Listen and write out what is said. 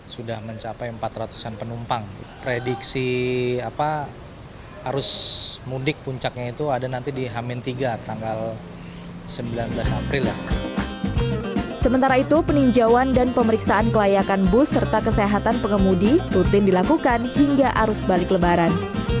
sementara itu peninjauan dan pemeriksaan kelayakan bus serta kesehatan pengemudi rutin dilakukan hingga arus balik lebaran